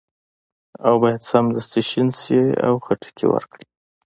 او باید سمدستي شین شي او خټکي ورکړي.